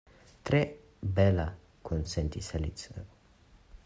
"Tre bela," konsentis Alicio.